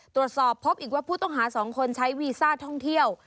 ตรวจสอบพบอีกว่าผู้ต้องหา๒คนใช้วีซ่าท่องเที่ยว